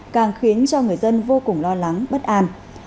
càng khiến cho người dân vô cùng lo lắng bất an